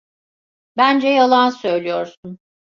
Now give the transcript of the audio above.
Bence yalan söylüyorsun.